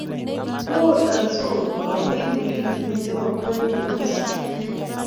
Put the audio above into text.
botonsot bakoinik kitikin chebo ng'weny yeooisoti